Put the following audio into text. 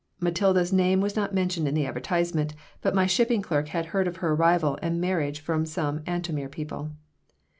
Matilda's name was not mentioned in the advertisement, but my shipping clerk had heard of her arrival and marriage from some Antomir people.